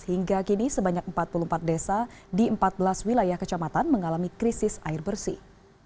hingga kini sebanyak empat puluh empat desa di empat belas wilayah kecamatan mengalami krisis air bersih